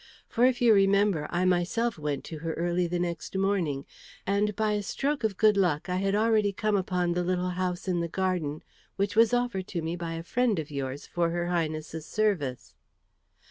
For if you remember, I myself went to her early the next morning, and by a stroke of good luck I had already come upon the little house in the garden which was offered to me by a friend of yours for her Highness's service."